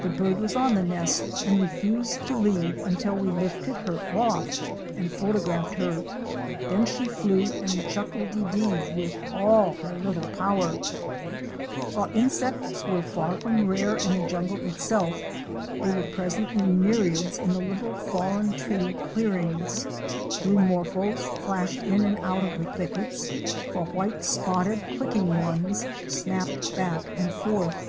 The bird was on the nest and refused to leave until we lifted her .off and photographed her. Then she flew and chuckle de deed with all her little power! FIG. 139. GOLDEN CROWNED MANAKIN LIFTED FROM NEST. While insects were far from rare in the jungle itself, they were present in myriads in the little fallen tree clearings. Blue Morphos flashed in and out of the thickets, while white spotted, clicking ones, snapped back and forth.